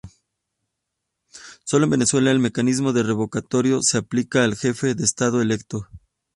Solo en Venezuela el mecanismo de revocatoria se aplica al jefe de estado electo.